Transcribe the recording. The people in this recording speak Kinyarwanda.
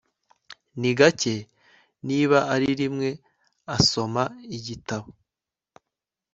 Ni gake niba ari rimwe asoma igitabo